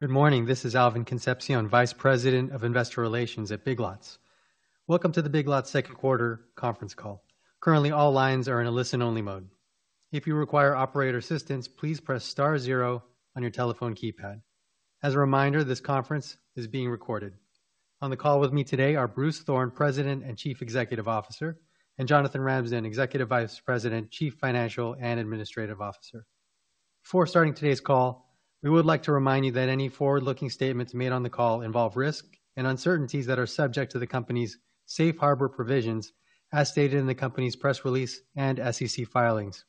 Good morning, this is Alvin Concepcion, Vice President of Investor Relations at Big Lots. Welcome to the Big Lots second quarter conference call. Currently, all lines are in a listen-only mode. If you require operator assistance, please press star zero on your telephone keypad. As a reminder, this conference is being recorded. On the call with me today are Bruce Thorn, President and Chief Executive Officer, and Jonathan Ramsden, Executive Vice President, Chief Financial and Administrative Officer. Before starting today's call, we would like to remind you that any forward-looking statements made on the call involve risk and uncertainties that are subject to the company's safe harbor provisions, as stated in the company's press release and SEC filings,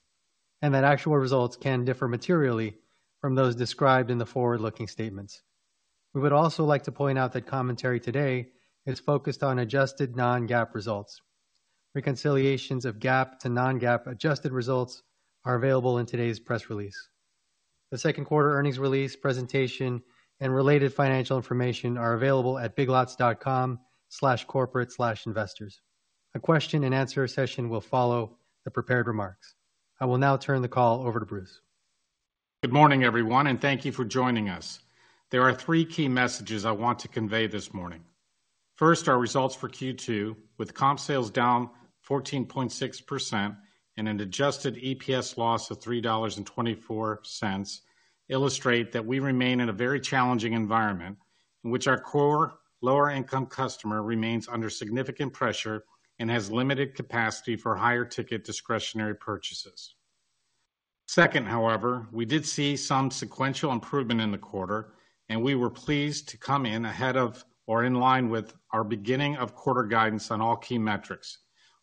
and that actual results can differ materially from those described in the forward-looking statements. We would also like to point out that commentary today is focused on adjusted non-GAAP results. Reconciliations of GAAP to non-GAAP adjusted results are available in today's press release. The second quarter earnings release presentation and related financial information are available at biglots.com/corporate/investors. A question-and-answer session will follow the prepared remarks. I will now turn the call over to Bruce. Good morning, everyone, and thank you for joining us. There are three key messages I want to convey this morning. First, our results for Q2, with comp sales down 14.6% and an adjusted EPS loss of $3.24, illustrate that we remain in a very challenging environment in which our core lower-income customer remains under significant pressure and has limited capacity for higher-ticket discretionary purchases. Second, however, we did see some sequential improvement in the quarter, and we were pleased to come in ahead of or in line with our beginning of quarter guidance on all key metrics.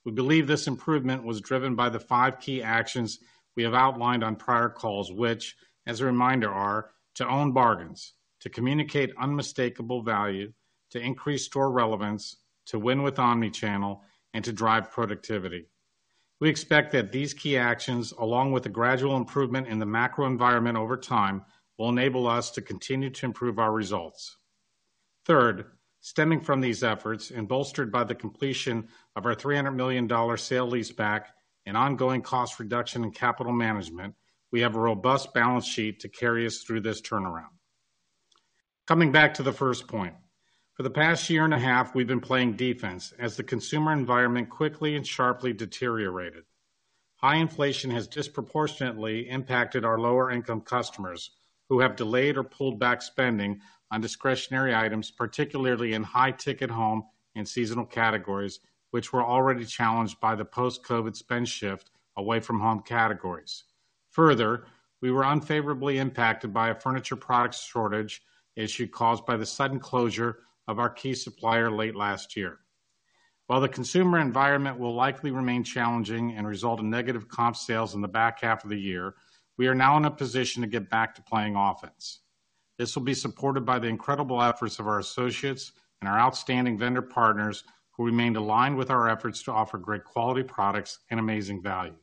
We believe this improvement was driven by the 5 key actions we have outlined on prior calls, which, as a reminder, are: to own bargains, to communicate unmistakable value, to increase store relevance, to win with omnichannel, and to drive productivity. We expect that these key actions, along with the gradual improvement in the macro environment over time, will enable us to continue to improve our results. Third, stemming from these efforts and bolstered by the completion of our $300 million sale-leaseback and ongoing cost reduction and capital management, we have a robust balance sheet to carry us through this turnaround. Coming back to the first point, for the past year and a half, we've been playing defense as the consumer environment quickly and sharply deteriorated. High inflation has disproportionately impacted our lower-income customers, who have delayed or pulled back spending on discretionary items, particularly in high-ticket home and seasonal categories, which were already challenged by the post-COVID spend shift away from home categories. Further, we were unfavorably impacted by a furniture product shortage issue caused by the sudden closure of our key supplier late last year. While the consumer environment will likely remain challenging and result in negative comp sales in the back half of the year, we are now in a position to get back to playing offense. This will be supported by the incredible efforts of our associates and our outstanding vendor partners, who remained aligned with our efforts to offer great quality products and amazing value.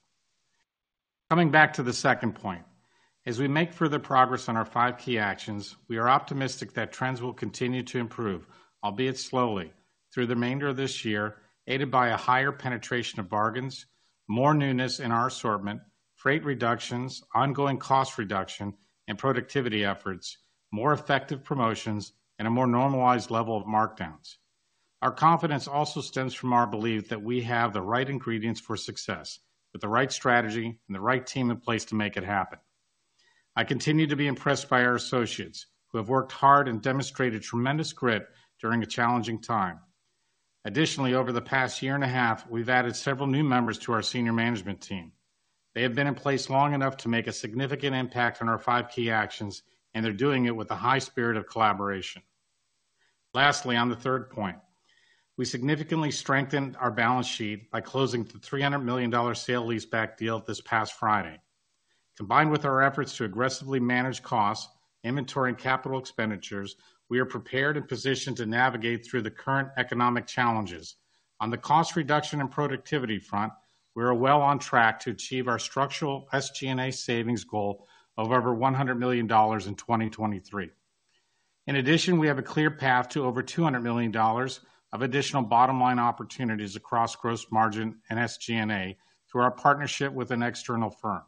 Coming back to the second point, as we make further progress on our five key actions, we are optimistic that trends will continue to improve, albeit slowly, through the remainder of this year, aided by a higher penetration of bargains, more newness in our assortment, freight reductions, ongoing cost reduction and productivity efforts, more effective promotions, and a more normalized level of markdowns. Our confidence also stems from our belief that we have the right ingredients for success, with the right strategy and the right team in place to make it happen. I continue to be impressed by our associates, who have worked hard and demonstrated tremendous grit during a challenging time. Additionally, over the past year and a half, we've added several new members to our senior management team. They have been in place long enough to make a significant impact on our five key actions, and they're doing it with a high spirit of collaboration. Lastly, on the third point, we significantly strengthened our balance sheet by closing the $300 million sale-leaseback deal this past Friday. Combined with our efforts to aggressively manage costs, inventory, and capital expenditures, we are prepared and positioned to navigate through the current economic challenges. On the cost reduction and productivity front, we are well on track to achieve our structural SG&A savings goal of over $100 million in 2023. In addition, we have a clear path to over $200 million of additional bottom-line opportunities across gross margin and SG&A through our partnership with an external firm.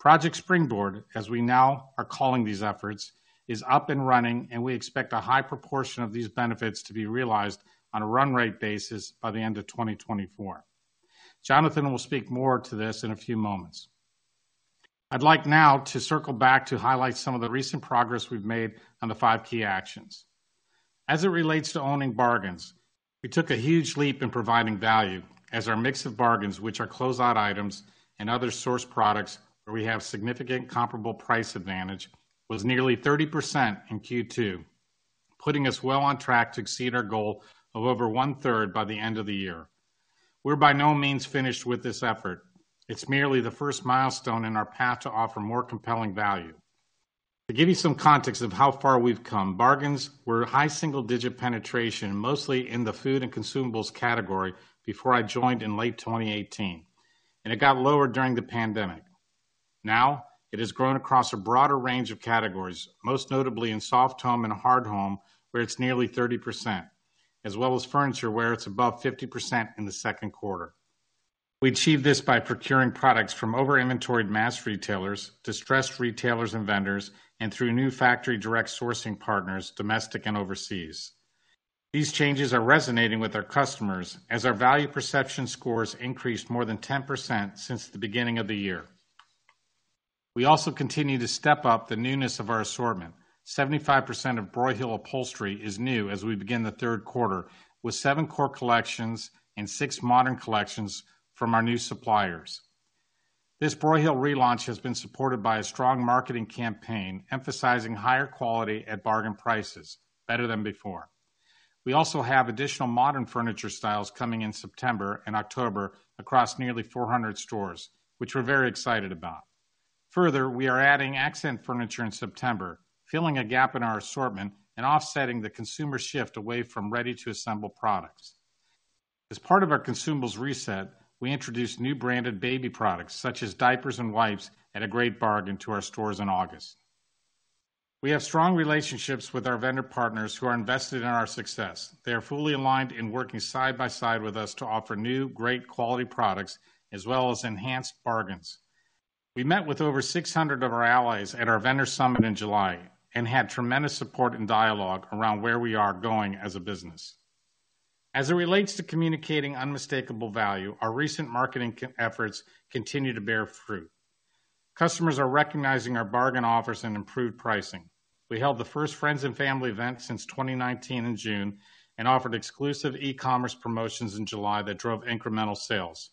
Project Springboard, as we now are calling these efforts, is up and running, and we expect a high proportion of these benefits to be realized on a run rate basis by the end of 2024. Jonathan will speak more to this in a few moments. I'd like now to circle back to highlight some of the recent progress we've made on the five key actions. As it relates to owning bargains, we took a huge leap in providing value as our mix of bargains, which are closeout items and other source products, where we have significant comparable price advantage, was nearly 30% in Q2, putting us well on track to exceed our goal of over one-third by the end of the year. We're by no means finished with this effort. It's merely the first milestone in our path to offer more compelling value. To give you some context of how far we've come, bargains were high single-digit penetration, mostly in the food and consumables category, before I joined in late 2018, and it got lower during the pandemic. Now, it has grown across a broader range of categories, most notably in soft home and hard home, where it's nearly 30%, as well as furniture, where it's above 50% in the second quarter. We achieved this by procuring products from over-inventoried mass retailers, distressed retailers and vendors, and through new factory direct sourcing partners, domestic and overseas. These changes are resonating with our customers as our value perception scores increased more than 10% since the beginning of the year. We also continue to step up the newness of our assortment. 75% of Broyhill Upholstery is new as we begin the third quarter, with 7 core collections and 6 modern collections from our new suppliers. This Broyhill relaunch has been supported by a strong marketing campaign, emphasizing higher quality at bargain prices, better than before. We also have additional modern furniture styles coming in September and October across nearly 400 stores, which we're very excited about. Further, we are adding accent furniture in September, filling a gap in our assortment and offsetting the consumer shift away from ready-to-assemble products. As part of our consumables reset, we introduced new branded baby products, such as diapers and wipes, at a great bargain to our stores in August. We have strong relationships with our vendor partners who are invested in our success. They are fully aligned in working side by side with us to offer new, great quality products, as well as enhanced bargains. We met with over 600 of our allies at our vendor summit in July and had tremendous support and dialogue around where we are going as a business. As it relates to communicating unmistakable value, our recent marketing campaign efforts continue to bear fruit. Customers are recognizing our bargain offers and improved pricing. We held the first Friends and Family event since 2019 in June and offered exclusive e-commerce promotions in July that drove incremental sales.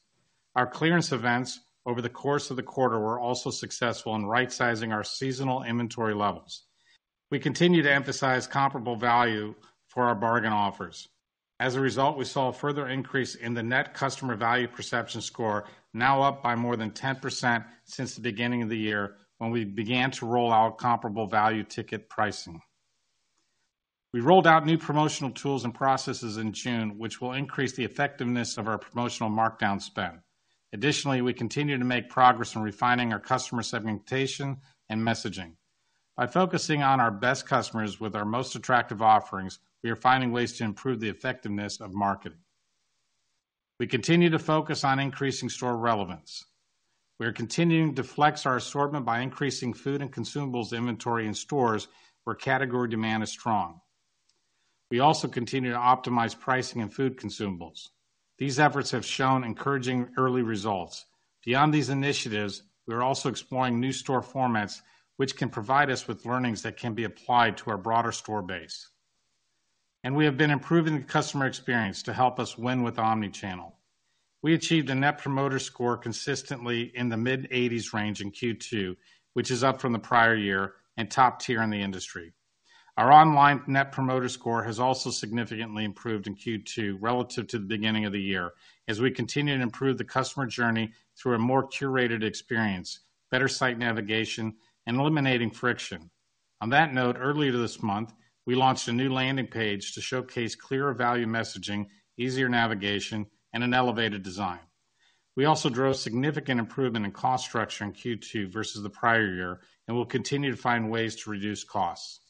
Our clearance events over the course of the quarter were also successful in right-sizing our seasonal inventory levels. We continue to emphasize comparable value for our bargain offers. As a result, we saw a further increase in the net customer value perception score, now up by more than 10% since the beginning of the year, when we began to roll out comparable value ticket pricing. We rolled out new promotional tools and processes in June, which will increase the effectiveness of our promotional markdown spend. Additionally, we continue to make progress in refining our customer segmentation and messaging. By focusing on our best customers with our most attractive offerings, we are finding ways to improve the effectiveness of marketing. We continue to focus on increasing store relevance. We are continuing to flex our assortment by increasing food and consumables inventory in stores where category demand is strong. We also continue to optimize pricing and food consumables. These efforts have shown encouraging early results. Beyond these initiatives, we are also exploring new store formats, which can provide us with learnings that can be applied to our broader store base. We have been improving the customer experience to help us win with omnichannel. We achieved a Net Promoter Score consistently in the mid-80s range in Q2, which is up from the prior year and top tier in the industry. Our online Net Promoter Score has also significantly improved in Q2 relative to the beginning of the year, as we continue to improve the customer journey through a more curated experience, better site navigation, and eliminating friction. On that note, earlier this month, we launched a new landing page to showcase clearer value messaging, easier navigation, and an elevated design. We also drove significant improvement in cost structure in Q2 versus the prior year, and we'll continue to find ways to reduce costs.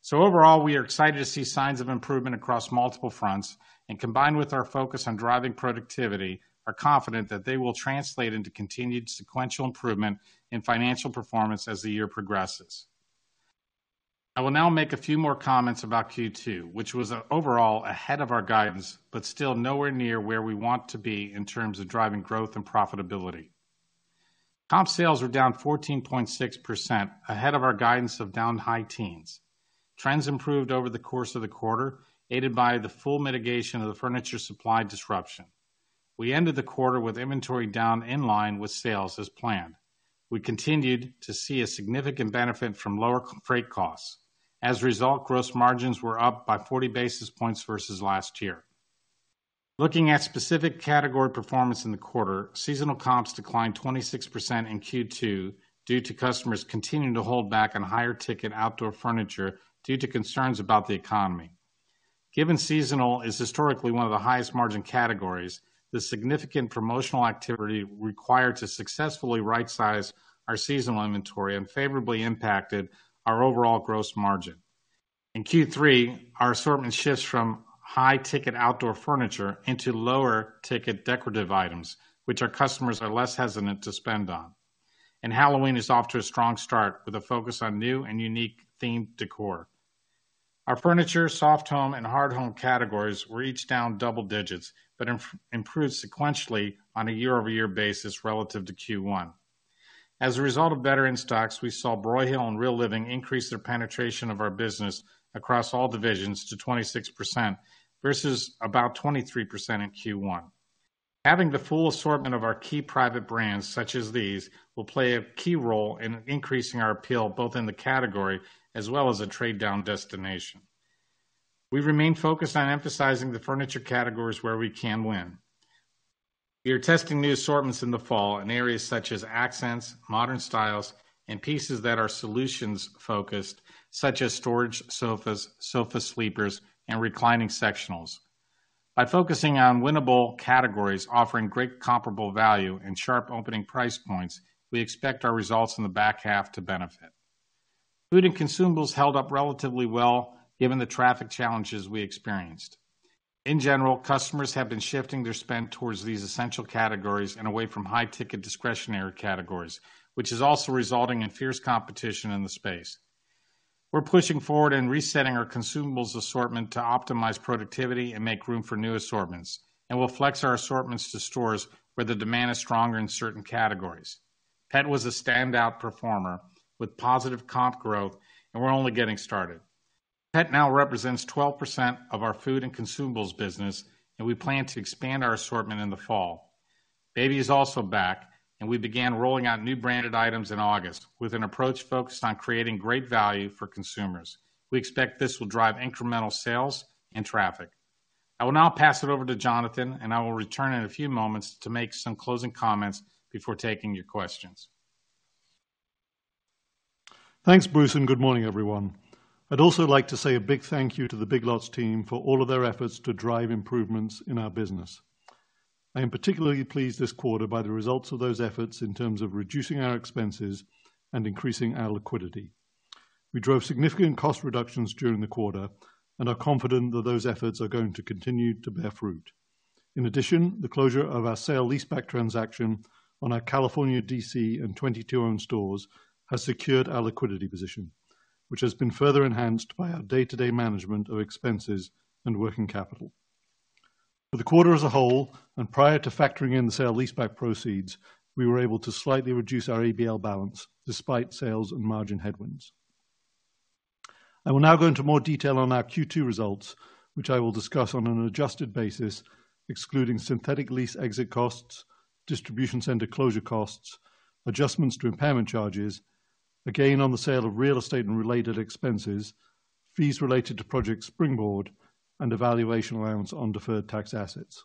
So overall, we are excited to see signs of improvement across multiple fronts, and combined with our focus on driving productivity, are confident that they will translate into continued sequential improvement in financial performance as the year progresses. I will now make a few more comments about Q2, which was overall ahead of our guidance, but still nowhere near where we want to be in terms of driving growth and profitability. Comp sales were down 14.6%, ahead of our guidance of down high teens. Trends improved over the course of the quarter, aided by the full mitigation of the furniture supply disruption. We ended the quarter with inventory down in line with sales, as planned. We continued to see a significant benefit from lower freight costs. As a result, gross margins were up by 40 basis points versus last year. Looking at specific category performance in the quarter, seasonal comps declined 26% in Q2 due to customers continuing to hold back on higher-ticket outdoor furniture due to concerns about the economy. Given seasonal is historically one of the highest margin categories, the significant promotional activity required to successfully right-size our seasonal inventory unfavorably impacted our overall gross margin. In Q3, our assortment shifts from high-ticket outdoor furniture into lower-ticket decorative items, which our customers are less hesitant to spend on. Halloween is off to a strong start with a focus on new and unique themed decor. Our furniture, soft home, and hard home categories were each down double digits, but improved sequentially on a year-over-year basis relative to Q1. As a result of better in-stocks, we saw Broyhill and Real Living increase their penetration of our business across all divisions to 26%, versus about 23% in Q1. Having the full assortment of our key private brands, such as these, will play a key role in increasing our appeal, both in the category as well as a trade-down destination. We remain focused on emphasizing the furniture categories where we can win. We are testing new assortments in the fall in areas such as accents, modern styles, and pieces that are solutions-focused, such as storage sofas, sofa sleepers, and reclining sectionals. By focusing on winnable categories, offering great comparable value and sharp opening price points, we expect our results in the back half to benefit. Food and consumables held up relatively well, given the traffic challenges we experienced. In general, customers have been shifting their spend towards these essential categories and away from high-ticket discretionary categories, which is also resulting in fierce competition in the space. We're pushing forward and resetting our consumables assortment to optimize productivity and make room for new assortments, and we'll flex our assortments to stores where the demand is stronger in certain categories. Pet was a standout performer with positive comp growth, and we're only getting started. Pet now represents 12% of our food and consumables business, and we plan to expand our assortment in the fall. Baby is also back, and we began rolling out new branded items in August, with an approach focused on creating great value for consumers. We expect this will drive incremental sales and traffic. I will now pass it over to Jonathan, and I will return in a few moments to make some closing comments before taking your questions. Thanks, Bruce, and good morning, everyone. I'd also like to say a big thank you to the Big Lots team for all of their efforts to drive improvements in our business. I am particularly pleased this quarter by the results of those efforts in terms of reducing our expenses and increasing our liquidity. We drove significant cost reductions during the quarter and are confident that those efforts are going to continue to bear fruit. In addition, the closure of our sale-leaseback transaction on our California DC and 22 owned stores has secured our liquidity position, which has been further enhanced by our day-to-day management of expenses and working capital. For the quarter as a whole, and prior to factoring in the sale-leaseback proceeds, we were able to slightly reduce our ABL balance despite sales and margin headwinds. I will now go into more detail on our Q2 results, which I will discuss on an adjusted basis, excluding synthetic lease exit costs, distribution center closure costs, adjustments to impairment charges, a gain on the sale of real estate and related expenses, fees related to Project Springboard, and a valuation allowance on deferred tax assets.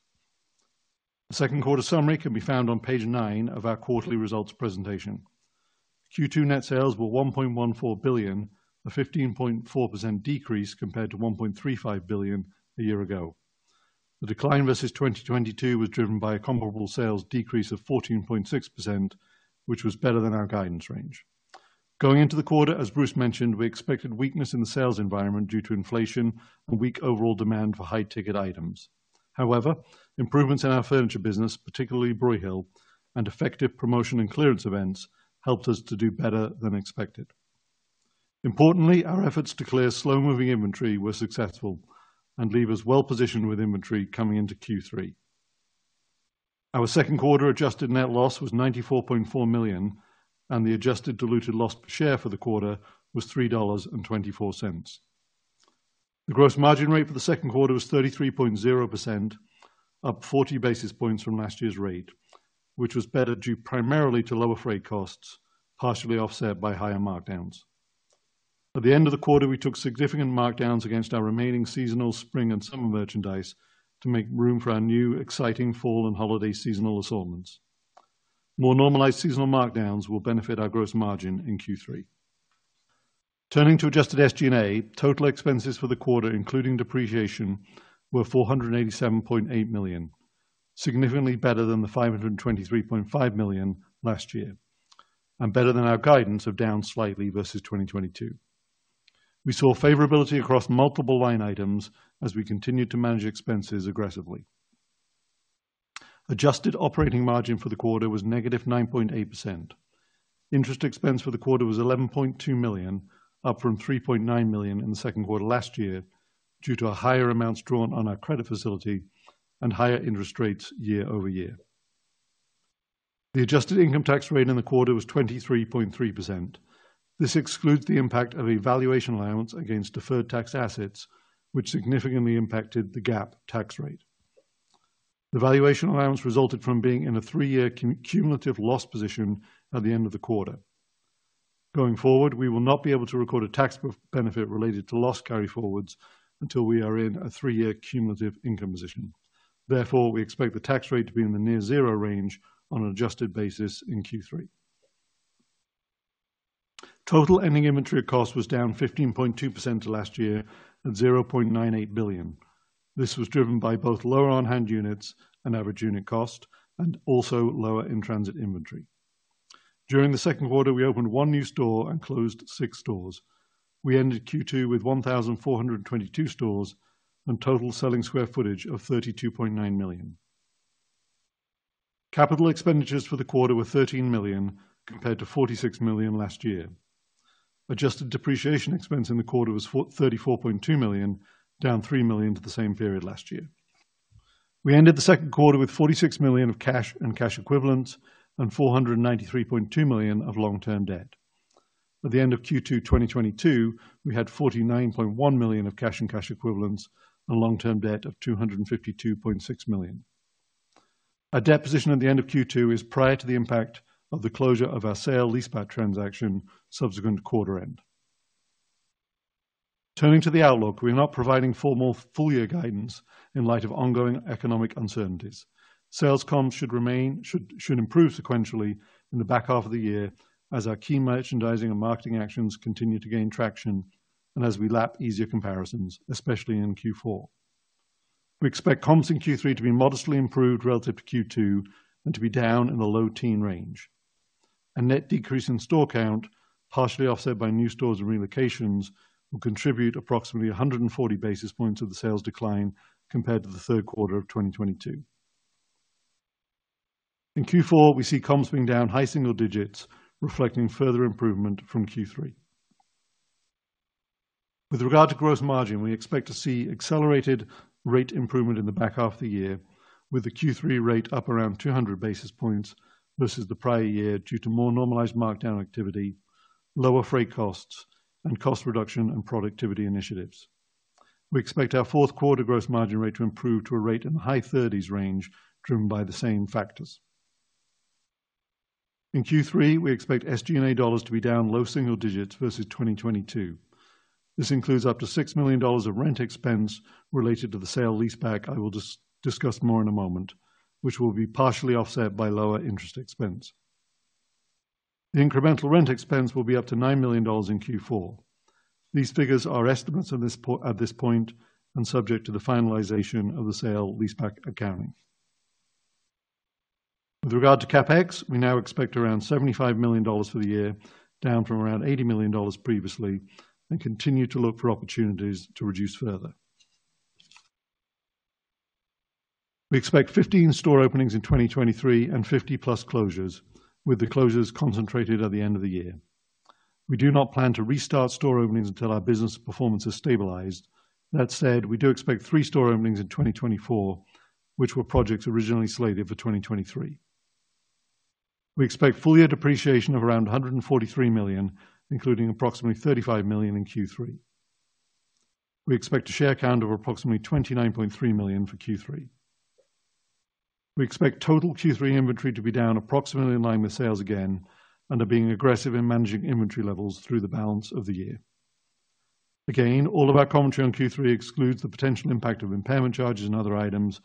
The second quarter summary can be found on page 9 of our quarterly results presentation. Q2 net sales were $1.14 billion, a 15.4% decrease compared to $1.35 billion a year ago. The decline versus 2022 was driven by a comparable sales decrease of 14.6%, which was better than our guidance range. Going into the quarter, as Bruce mentioned, we expected weakness in the sales environment due to inflation and weak overall demand for high-ticket items. However, improvements in our furniture business, particularly Broyhill, and effective promotion and clearance events, helped us to do better than expected. Importantly, our efforts to clear slow-moving inventory were successful and leave us well positioned with inventory coming into Q3. Our second quarter adjusted net loss was $94.4 million, and the adjusted diluted loss per share for the quarter was $3.24. The gross margin rate for the second quarter was 33.0%, up 40 basis points from last year's rate, which was better due primarily to lower freight costs, partially offset by higher markdowns. At the end of the quarter, we took significant markdowns against our remaining seasonal spring and summer merchandise to make room for our new exciting fall and holiday seasonal assortments. More normalized seasonal markdowns will benefit our gross margin in Q3. Turning to adjusted SG&A, total expenses for the quarter, including depreciation, were $487.8 million, significantly better than the $523.5 million last year, and better than our guidance of down slightly versus 2022. We saw favorability across multiple line items as we continued to manage expenses aggressively. Adjusted operating margin for the quarter was -9.8%. Interest expense for the quarter was $11.2 million, up from $3.9 million in the second quarter last year, due to a higher amounts drawn on our credit facility and higher interest rates year-over-year. The adjusted income tax rate in the quarter was 23.3%. This excludes the impact of a valuation allowance against deferred tax assets, which significantly impacted the GAAP tax rate. The valuation allowance resulted from being in a 3-year cumulative loss position at the end of the quarter. Going forward, we will not be able to record a tax benefit related to loss carryforwards until we are in a 3-year cumulative income position. Therefore, we expect the tax rate to be in the near zero range on an adjusted basis in Q3. Total ending inventory cost was down 15.2% to last year and $0.98 billion. This was driven by both lower on-hand units and average unit cost and also lower in-transit inventory. During the second quarter, we opened 1 new store and closed 6 stores. We ended Q2 with 1,422 stores and total selling square footage of 32.9 million sq ft. Capital expenditures for the quarter were $13 million, compared to $46 million last year. Adjusted depreciation expense in the quarter was $34.2 million, down $3 million to the same period last year. We ended the second quarter with $46 million of cash and cash equivalents and $493.2 million of long-term debt. At the end of Q2 2022, we had $49.1 million of cash and cash equivalents and long-term debt of $252.6 million. Our debt position at the end of Q2 is prior to the impact of the closure of our sale-leaseback transaction subsequent to quarter end. Turning to the outlook, we are not providing formal full-year guidance in light of ongoing economic uncertainties. Sales comps should improve sequentially in the back half of the year as our key merchandising and marketing actions continue to gain traction and as we lap easier comparisons, especially in Q4. We expect comps in Q3 to be modestly improved relative to Q2, and to be down in the low teens range. A net decrease in store count, partially offset by new stores and relocations, will contribute approximately 140 basis points of the sales decline compared to the third quarter of 2022. In Q4, we see comps being down high single digits, reflecting further improvement from Q3. With regard to gross margin, we expect to see accelerated rate improvement in the back half of the year, with the Q3 rate up around 200 basis points versus the prior year, due to more normalized markdown activity, lower freight costs, and cost reduction and productivity initiatives. We expect our fourth quarter gross margin rate to improve to a rate in the high 30s range, driven by the same factors. In Q3, we expect SG&A dollars to be down low single digits versus 2022. This includes up to $6 million of rent expense related to the sale-leaseback, I will discuss more in a moment, which will be partially offset by lower interest expense. The incremental rent expense will be up to $9 million in Q4. These figures are estimates at this point, and subject to the finalization of the sale-leaseback accounting. With regard to CapEx, we now expect around $75 million for the year, down from around $80 million previously, and continue to look for opportunities to reduce further. We expect 15 store openings in 2023 and 50+ closures, with the closures concentrated at the end of the year. We do not plan to restart store openings until our business performance is stabilized. That said, we do expect 3 store openings in 2024, which were projects originally slated for 2023. We expect full year depreciation of around $143 million, including approximately $35 million in Q3. We expect a share count of approximately 29.3 million for Q3. We expect total Q3 inventory to be down approximately in line with sales again and are being aggressive in managing inventory levels through the balance of the year. Again, all of our commentary on Q3 excludes the potential impact of impairment charges and other items,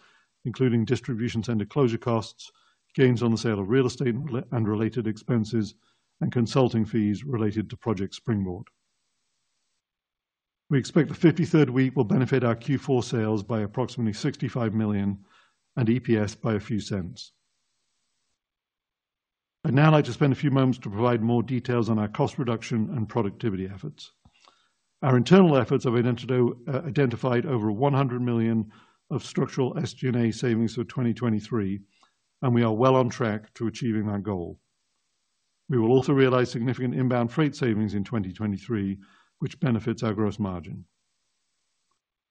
including distribution center closure costs, gains on the sale-leaseback and related expenses, and consulting fees related to Project Springboard. We expect the 53rd week will benefit our Q4 sales by approximately $65 million and EPS by a few cents. I'd now like to spend a few moments to provide more details on our cost reduction and productivity efforts. Our internal efforts have identified over $100 million of structural SG&A savings for 2023, and we are well on track to achieving our goal. We will also realize significant inbound freight savings in 2023, which benefits our gross margin.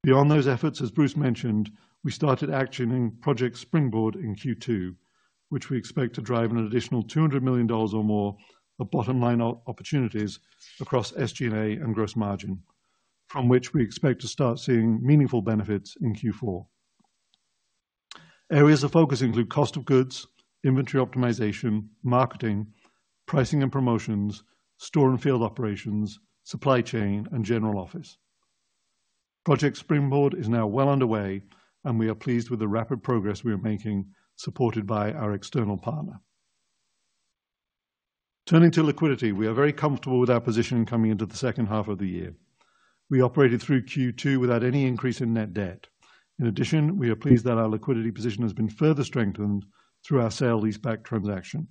Beyond those efforts, as Bruce mentioned, we started actioning Project Springboard in Q2, which we expect to drive an additional $200 million or more of bottom-line opportunities across SG&A and gross margin, from which we expect to start seeing meaningful benefits in Q4. Areas of focus include cost of goods, inventory optimization, marketing, pricing and promotions, store and field operations, supply chain, and general office. Project Springboard is now well underway and we are pleased with the rapid progress we are making, supported by our external partner. Turning to liquidity, we are very comfortable with our position coming into the second half of the year. We operated through Q2 without any increase in net debt. In addition, we are pleased that our liquidity position has been further strengthened through our sale-leaseback transaction.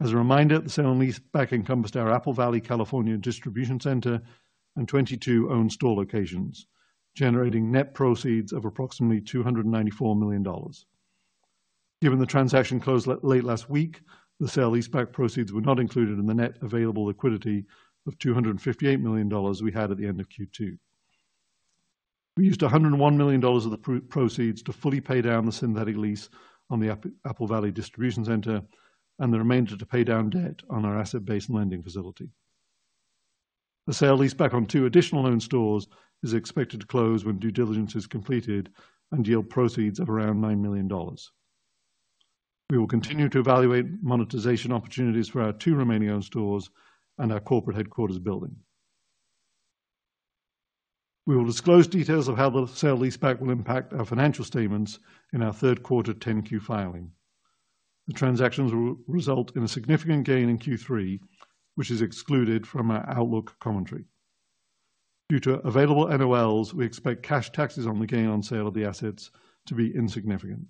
As a reminder, the sale and leaseback encompassed our Apple Valley, California, distribution center and 22 owned store locations, generating net proceeds of approximately $294 million. Given the transaction closed late last week, the sale-leaseback proceeds were not included in the net available liquidity of $258 million we had at the end of Q2. We used $101 million of the proceeds to fully pay down the synthetic lease on the Apple Valley Distribution Center and the remainder to pay down debt on our asset-based lending facility. The sale-leaseback on two additional owned stores is expected to close when due diligence is completed and yield proceeds of around $9 million. We will continue to evaluate monetization opportunities for our two remaining owned stores and our corporate headquarters building. We will disclose details of how the sale-leaseback will impact our financial statements in our third quarter 10-Q filing. The transactions will result in a significant gain in Q3, which is excluded from our outlook commentary. Due to available NOLs, we expect cash taxes on the gain on sale of the assets to be insignificant.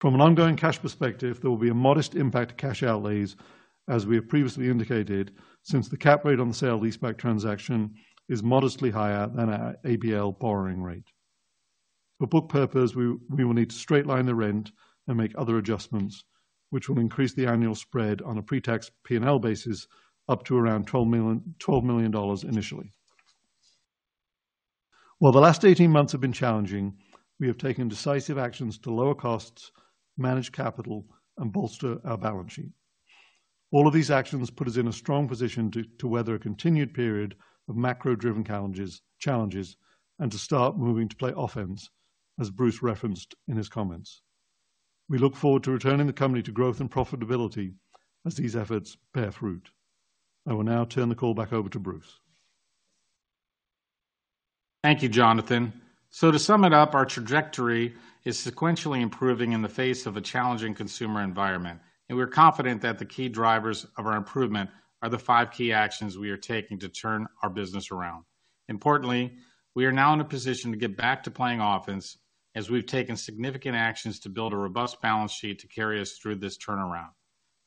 From an ongoing cash perspective, there will be a modest impact to cash outlays, as we have previously indicated, since the cap rate on the sale-leaseback transaction is modestly higher than our ABL borrowing rate. For book purpose, we will need to straight line the rent and make other adjustments, which will increase the annual spread on a pre-tax P&L basis up to around $12 million initially. While the last 18 months have been challenging, we have taken decisive actions to lower costs, manage capital, and bolster our balance sheet. All of these actions put us in a strong position to weather a continued period of macro-driven challenges and to start moving to play offense, as Bruce referenced in his comments. We look forward to returning the company to growth and profitability as these efforts bear fruit. I will now turn the call back over to Bruce. Thank you, Jonathan. So to sum it up, our trajectory is sequentially improving in the face of a challenging consumer environment, and we're confident that the key drivers of our improvement are the five key actions we are taking to turn our business around. Importantly, we are now in a position to get back to playing offense as we've taken significant actions to build a robust balance sheet to carry us through this turnaround.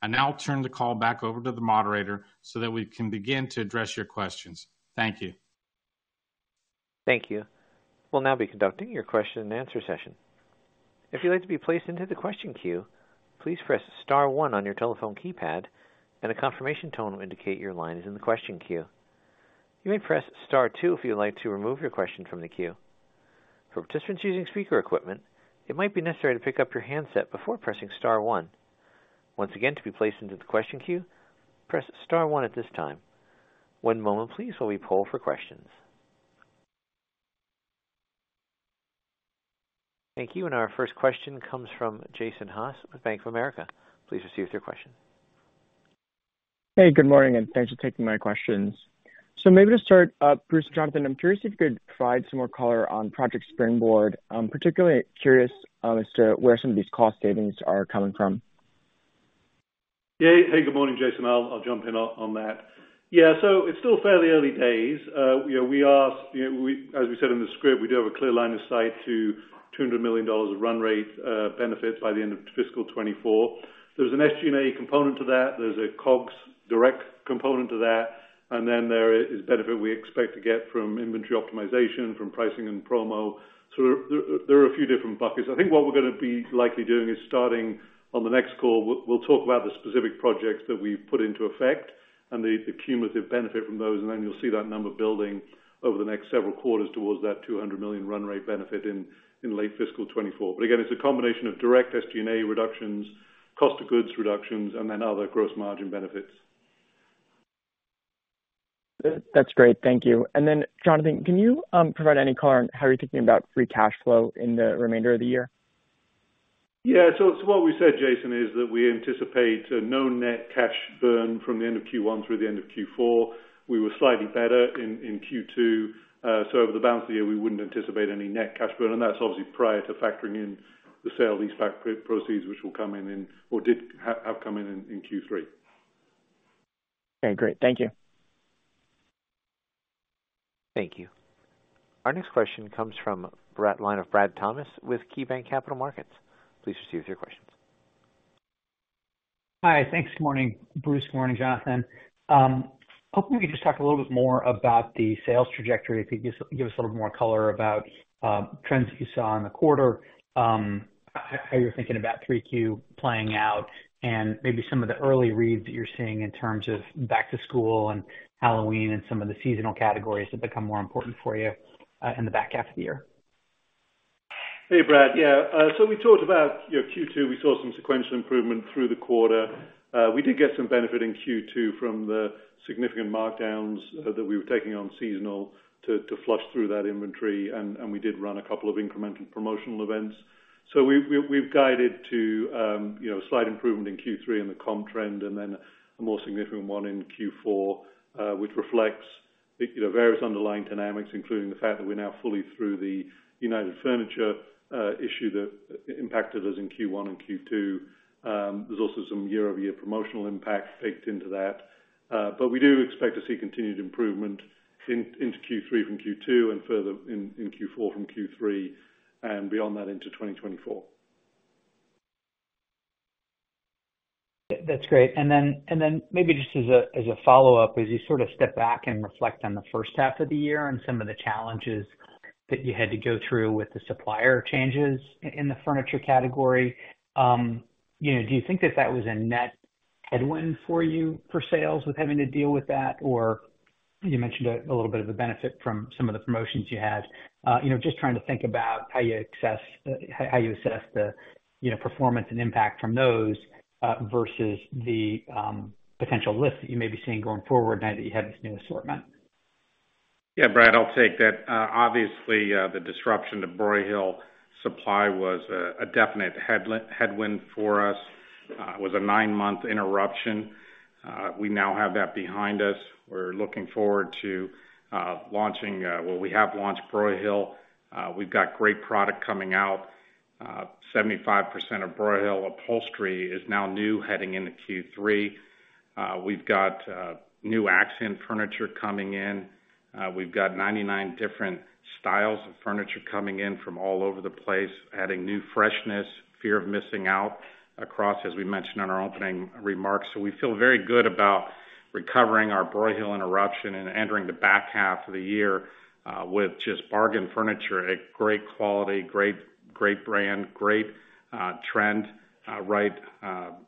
I now turn the call back over to the moderator, so that we can begin to address your questions. Thank you. Thank you. We'll now be conducting your question and answer session. If you'd like to be placed into the question queue, please press star one on your telephone keypad, and a confirmation tone will indicate your line is in the question queue. You may press star two if you'd like to remove your question from the queue. For participants using speaker equipment, it might be necessary to pick up your handset before pressing star one. Once again, to be placed into the question queue, press star one at this time. One moment please, while we poll for questions. Thank you. And our first question comes from Jason Haas with Bank of America. Please proceed with your question. Hey, good morning, and thanks for taking my questions. So maybe to start, Bruce, Jonathan, I'm curious if you could provide some more color on Project Springboard. Particularly curious as to where some of these cost savings are coming from. Yeah. Hey, good morning, Jason. I'll jump in on that. Yeah, so it's still fairly early days. You know, we are, you know, we as we said in the script, we do have a clear line of sight to $200 million of run rate benefits by the end of fiscal 2024. There's an SG&A component to that. There's a COGS direct component to that, and then there is benefit we expect to get from inventory optimization, from pricing and promo. So there are a few different buckets. I think what we're gonna be likely doing is starting on the next call, we'll talk about the specific projects that we've put into effect and the cumulative benefit from those, and then you'll see that number building over the next several quarters towards that $200 million run rate benefit in late fiscal 2024. But again, it's a combination of direct SG&A reductions, cost of goods reductions, and then other gross margin benefits. That's great. Thank you. And then, Jonathan, can you provide any color on how you're thinking about free cash flow in the remainder of the year? Yeah. So what we said, Jason, is that we anticipate no net cash burn from the end of Q1 through the end of Q4. We were slightly better in Q2. So over the balance of the year, we wouldn't anticipate any net cash burn, and that's obviously prior to factoring in the sale of these asset proceeds, which will come in or did have come in in Q3. Okay, great. Thank you. Thank you. Our next question comes from Brad Thomas with KeyBanc Capital Markets. Please proceed with your questions. Hi, thanks. Good morning, Bruce. Good morning, Jonathan. Hoping you could just talk a little bit more about the sales trajectory. If you could give us a little more color about trends that you saw in the quarter, how you're thinking about Q3 playing out, and maybe some of the early reads that you're seeing in terms of back to school and Halloween and some of the seasonal categories that become more important for you in the back half of the year. Hey, Brad. Yeah, so we talked about, you know, Q2, we saw some sequential improvement through the quarter. We did get some benefit in Q2 from the significant markdowns that we were taking on seasonal to flush through that inventory, and we did run a couple of incremental promotional events. So we've guided to, you know, a slight improvement in Q3 and the comp trend, and then a more significant one in Q4, which reflects the, you know, underlying dynamics, including the fact that we're now fully through the United Furniture issue that impacted us in Q1 and Q2. There's also some year-over-year promotional impact baked into that, but we do expect to see continued improvement into Q3 from Q2 and further in Q4 from Q3 and beyond that into 2024. That's great. And then, and then maybe just as a, as a follow-up, as you sort of step back and reflect on the first half of the year and some of the challenges that you had to go through with the supplier changes in the furniture category, you know, do you think that that was a net headwind for you for sales with having to deal with that? Or you mentioned a, a little bit of a benefit from some of the promotions you had. You know, just trying to think about how you assess the, you know, performance and impact from those, versus the potential lift that you may be seeing going forward now that you have this new assortment. Yeah, Brad, I'll take that. Obviously, the disruption to Broyhill supply was a definite headwind for us. It was a 9-month interruption. We now have that behind us. We're looking forward to launching. Well, we have launched Broyhill. We've got great product coming out. 75% of Broyhill Upholstery is now new, heading into Q3. We've got new accent furniture coming in. We've got 99 different styles of furniture coming in from all over the place, adding new freshness, fear of missing out across, as we mentioned in our opening remarks. So we feel very good about recovering our Broyhill interruption and entering the back half of the year with just bargain furniture at great quality, great, great brand, great, trend, right,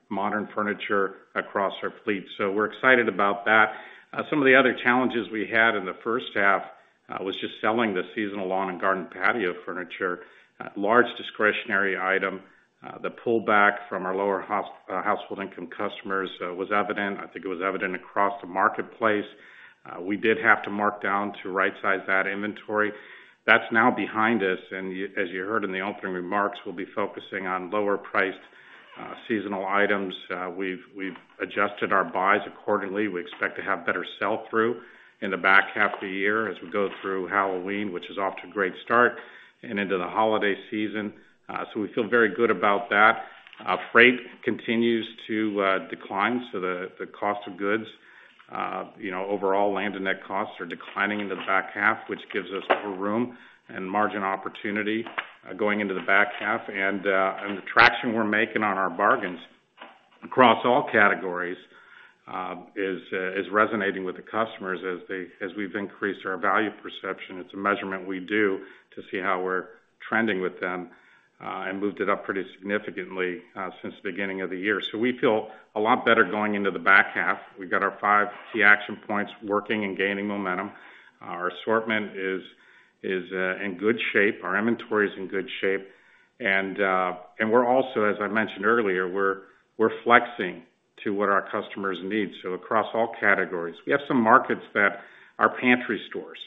modern furniture across our fleet. So we're excited about that. Some of the other challenges we had in the first half was just selling the seasonal lawn and garden patio furniture, large discretionary item. The pullback from our lower household income customers was evident. I think it was evident across the marketplace. We did have to mark down to rightsize that inventory. That's now behind us, and as you heard in the opening remarks, we'll be focusing on lower priced seasonal items, we've adjusted our buys accordingly. We expect to have better sell-through in the back half of the year as we go through Halloween, which is off to a great start, and into the holiday season. So we feel very good about that. Freight continues to decline, so the cost of goods, you know, overall, land and net costs are declining in the back half, which gives us more room and margin opportunity going into the back half. The traction we're making on our bargains across all categories is resonating with the customers as we've increased our value perception. It's a measurement we do to see how we're trending with them and moved it up pretty significantly since the beginning of the year. So we feel a lot better going into the back half. We've got our five key action points working and gaining momentum. Our assortment is in good shape, our inventory is in good shape. We're also, as I mentioned earlier, flexing to what our customers need, so across all categories. We have some markets that are pantry stores,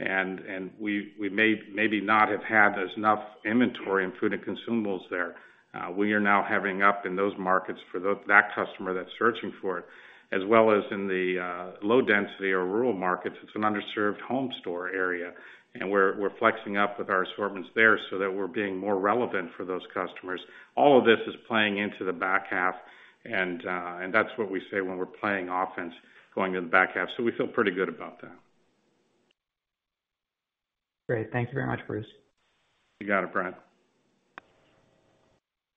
and we may not have had enough inventory in food and consumables there. We are now flexing up in those markets for that customer that's searching for it, as well as in the low density or rural markets. It's an underserved home store area, and we're flexing up with our assortments there so that we're being more relevant for those customers. All of this is playing into the back half, and that's what we say when we're playing offense, going into the back half, so we feel pretty good about that. Great. Thank you very much, Bruce. You got it, Brent.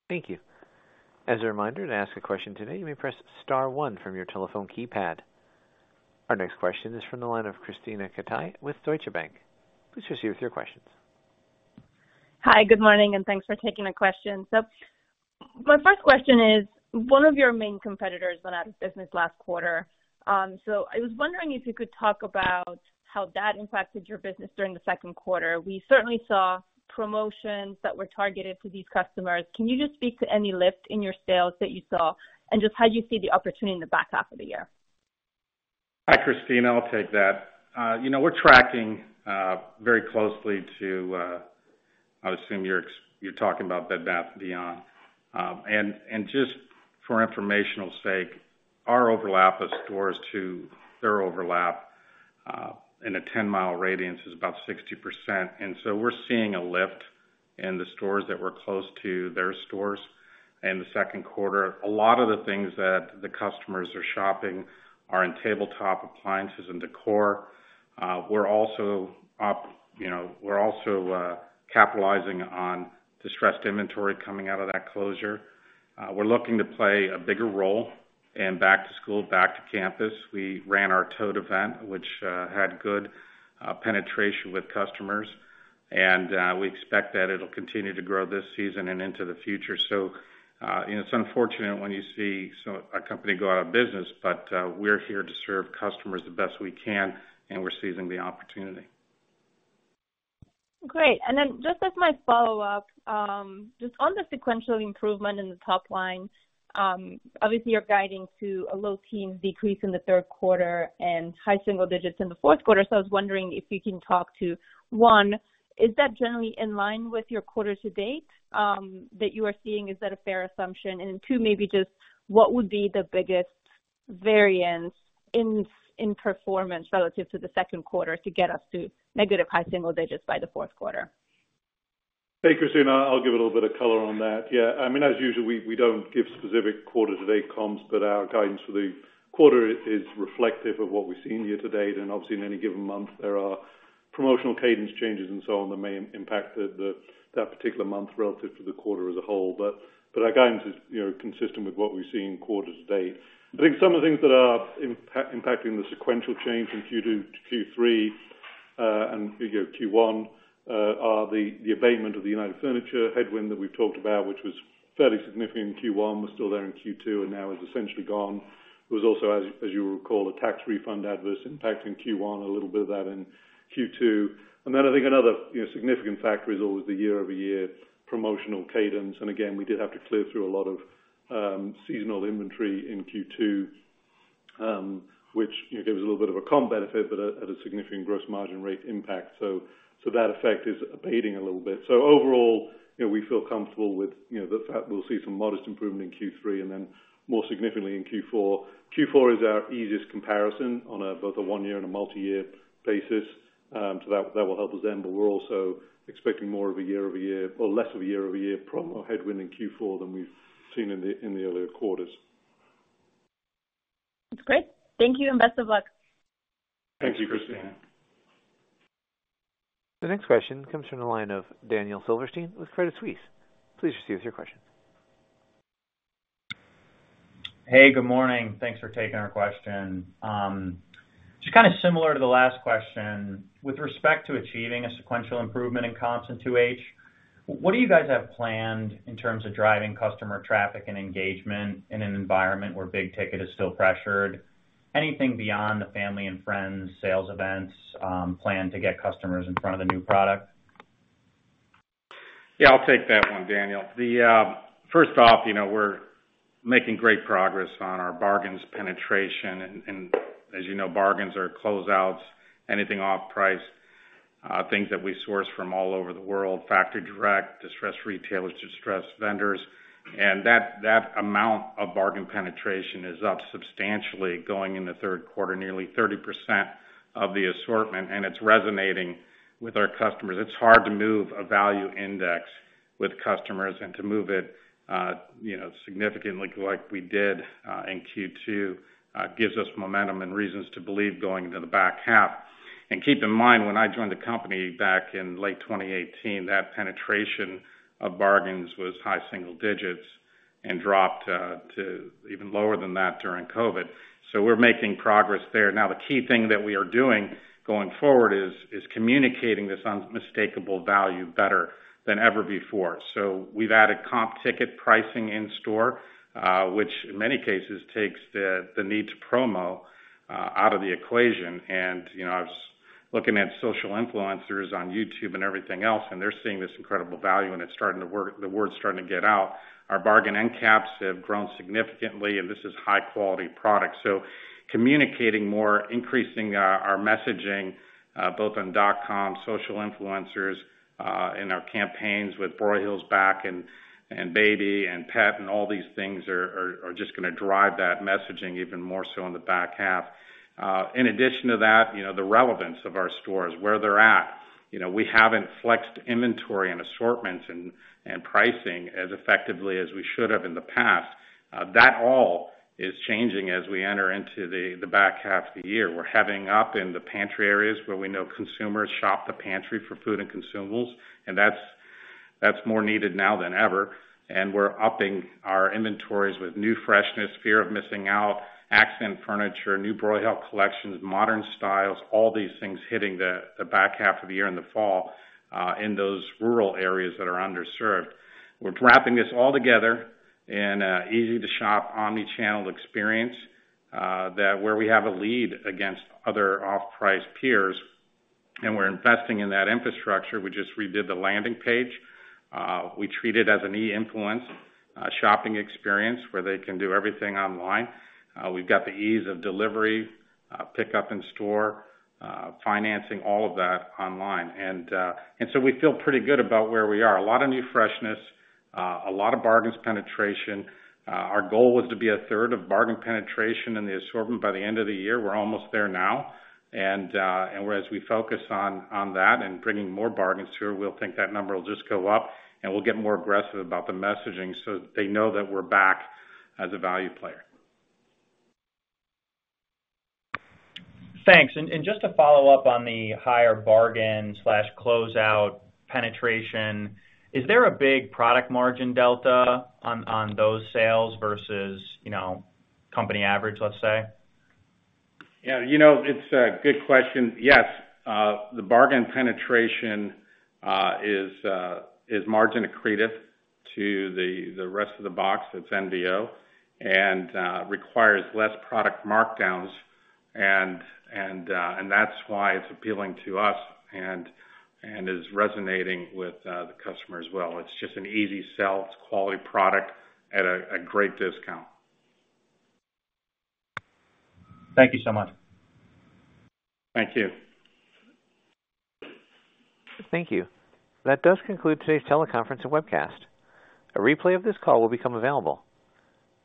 Thank you. As a reminder, to ask a question today, you may press star one from your telephone keypad. Our next question is from the line of Krisztina Katai with Deutsche Bank. Please proceed with your questions. Hi, good morning, and thanks for taking the question. So my first question is, one of your main competitors went out of business last quarter. So I was wondering if you could talk about how that impacted your business during the second quarter. We certainly saw promotions that were targeted to these customers. Can you just speak to any lift in your sales that you saw? And just how do you see the opportunity in the back half of the year? Hi, Christina, I'll take that. You know, we're tracking very closely to. I would assume you're talking about Bed Bath & Beyond. And just for informational sake, our overlap of stores to their overlap in a 10-mile radius is about 60%. And so we're seeing a lift in the stores that were close to their stores in the second quarter. A lot of the things that the customers are shopping are in tabletop, appliances, and decor. We're also, you know, we're also capitalizing on distressed inventory coming out of that closure. We're looking to play a bigger role in back to school, back to campus. We ran our tote event, which had good penetration with customers, and we expect that it'll continue to grow this season and into the future. So, you know, it's unfortunate when you see a company go out of business, but we're here to serve customers the best we can, and we're seizing the opportunity. Great. And then, just as my follow-up, just on the sequential improvement in the top line, obviously, you're guiding to a low-teens decrease in the third quarter and high-single-digits in the fourth quarter. So I was wondering if you can talk to, one, is that generally in line with your quarter-to-date, that you are seeing? Is that a fair assumption? And two, maybe just what would be the biggest variance in performance relative to the second quarter to get us to negative high-single-digits by the fourth quarter? Hey, Christina, I'll give a little bit of color on that. Yeah, I mean, as usual, we don't give specific quarter-to-date comps, but our guidance for the quarter is reflective of what we've seen year to date, and obviously, in any given month, there are promotional cadence changes and so on, that may impact the, that particular month relative to the quarter as a whole. But our guidance is, you know, consistent with what we've seen quarter to date. I think some of the things that are impacting the sequential change in Q2 to Q3, and from Q1, are the abatement of the United Furniture headwind that we've talked about, which was fairly significant in Q1, was still there in Q2, and now is essentially gone. There was also, as you'll recall, a tax refund adverse impact in Q1, a little bit of that in Q2. And then I think another, you know, significant factor is always the year-over-year promotional cadence. And again, we did have to clear through a lot of seasonal inventory in Q2, which, you know, gives a little bit of a comp benefit, but at a significant gross margin rate impact. So that effect is abating a little bit. So overall, you know, we feel comfortable with, you know, the fact we'll see some modest improvement in Q3 and then more significantly in Q4. Q4 is our easiest comparison on a, both a one-year and a multi-year basis, so that, that will help us then, but we're also expecting more of a year-over-year or less of a year-over-year promo headwind in Q4 than we've seen in the, in the earlier quarters. That's great. Thank you, and best of luck. Thank you, Christina. The next question comes from the line of Daniel Silverstein with Credit Suisse. Please proceed with your question. Hey, good morning. Thanks for taking our question. Just kind of similar to the last question. With respect to achieving a sequential improvement in comps in 2H, what do you guys have planned in terms of driving customer traffic and engagement in an environment where big ticket is still pressured? Anything beyond the family and friends sales events, planned to get customers in front of the new product? Yeah, I'll take that one, Daniel. First off, you know, we're making great progress on our bargains penetration. And as you know, bargains are closeouts, anything off price, things that we source from all over the world, factory direct, distressed retailers, distressed vendors. And that amount of bargain penetration is up substantially going in the third quarter, nearly 30% of the assortment, and it's resonating with our customers. It's hard to move a value index with customers, and to move it, you know, significantly like we did in Q2 gives us momentum and reasons to believe going into the back half. And keep in mind, when I joined the company back in late 2018, that penetration of bargains was high single digits and dropped to even lower than that during COVID. So we're making progress there. Now, the key thing that we are doing going forward is communicating this unmistakable value better than ever before. So we've added comp ticket pricing in store, which in many cases takes the need to promo out of the equation. You know, I was looking at social influencers on YouTube and everything else, and they're seeing this incredible value, and it's starting to work—the word's starting to get out. Our bargain end caps have grown significantly, and this is high-quality product. So communicating more, increasing our messaging both on dotcom, social influencers, in our campaigns with Broyhill's back and baby and pet and all these things are just gonna drive that messaging even more so in the back half. In addition to that, you know, the relevance of our stores, where they're at. You know, we haven't flexed inventory and assortments and, and pricing as effectively as we should have in the past. That all is changing as we enter into the back half of the year. We're heading up in the pantry areas, where we know consumers shop the pantry for food and consumables, and that's more needed now than ever. And we're upping our inventories with new freshness, fear of missing out, accent furniture, new Broyhill collections, modern styles, all these things hitting the back half of the year in the fall, in those rural areas that are underserved. We're wrapping this all together in a easy-to-shop, omni-channel experience, that where we have a lead against other off-price peers, and we're investing in that infrastructure. We just redid the landing page. We treat it as an e-influence, shopping experience, where they can do everything online. We've got the ease of delivery, pickup in store, financing, all of that online. And, and so we feel pretty good about where we are. A lot of new freshness, a lot of bargains penetration. Our goal was to be a third of bargain penetration in the assortment by the end of the year. We're almost there now. And, and as we focus on, on that and bringing more bargains through, we'll think that number will just go up, and we'll get more aggressive about the messaging so they know that we're back as a value player. Thanks. And just to follow up on the higher bargain/closeout penetration, is there a big product margin delta on those sales versus, you know, company average, let's say? Yeah, you know, it's a good question. Yes, the bargain penetration is margin accretive to the rest of the box, it's NVO, and requires less product markdowns. That's why it's appealing to us and is resonating with the customer as well. It's just an easy sell. It's quality product at a great discount. Thank you so much. Thank you. Thank you. That does conclude today's teleconference and webcast. A replay of this call will become available.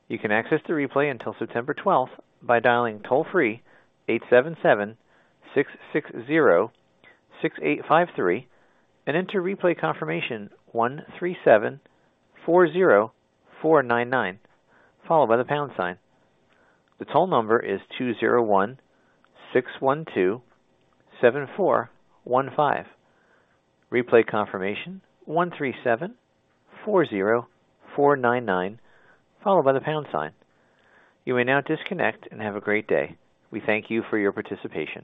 You can access the replay until September twelfth by dialing toll-free 877-660-6853 and enter replay confirmation 13740499, followed by the pound sign. The toll number is 201-612-7415. Replay confirmation 13740499, followed by the pound sign. You may now disconnect and have a great day. We thank you for your participation.